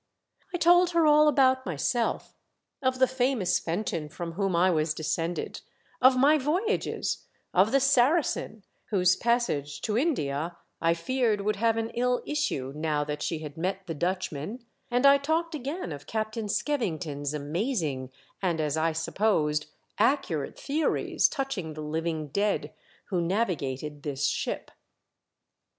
I told her all about myself, of the famous Fenton from whom I was descended, of my voyages, of the Saracen, whose passage to India I feared would have an ill issue now that she had met the Dutchman, and I talked again of Captain Skevington's amazing, and, as I supposed, accurate theories touching the living dead who navigated this ship.